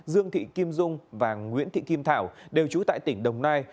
dương thị kim dung và nguyễn thị kim thảo đều trú tại tỉnh đồng nai